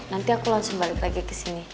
nanti aku langsung balik lagi kesini